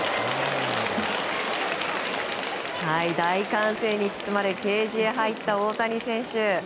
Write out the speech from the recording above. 大歓声に包まれケージへ入った大谷選手。